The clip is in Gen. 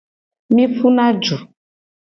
Mi puna du.